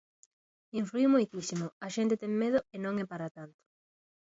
Influíu moitísimo a xente ten medo e non é para tanto.